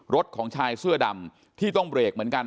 รถของชายเสื้อดำที่ต้องเบรกเหมือนกัน